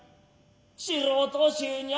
素人衆にゃ